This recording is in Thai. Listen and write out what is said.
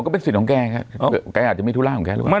ก็เป็นสิทธิ์แกอาจจะไม่ธุระของแกหรือเปล่า